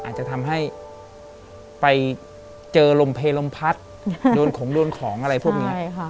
อาจจะทำให้ไปเจอลมเพลลมพัดโดนของโดนของอะไรพวกนี้